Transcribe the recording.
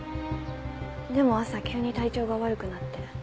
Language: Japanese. でも朝急に体調が悪くなって。